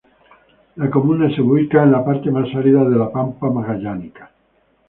La comuna se ubica en la parte más árida de la pampa magallánica.